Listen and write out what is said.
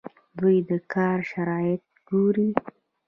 دوی د کار شرایط ګوري.